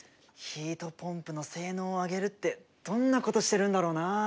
ヒートポンプの性能を上げるってどんなことしてるんだろうなあ？